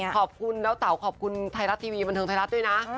ขอบคุณแล้วเต๋าขอบคุณไทยรัฐทีวีบันเทิงไทยรัฐด้วยนะ